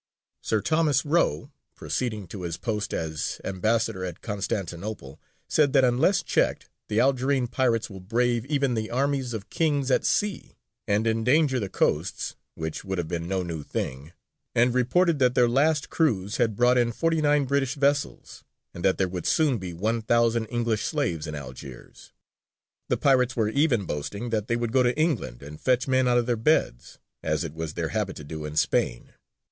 Sir Thomas Roe, proceeding to his post as ambassador at Constantinople, said that unless checked the Algerine pirates will brave even the armies of kings at sea, and endanger the coasts [which would have been no new thing], and reported that their last cruise had brought in forty nine British vessels, and that there would soon be one thousand English slaves in Algiers: the pirates were even boasting that they would go to England and fetch men out of their beds, as it was their habit to do in Spain.